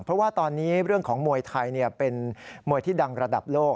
เพราะว่าตอนนี้เรื่องของมวยไทยเป็นมวยที่ดังระดับโลก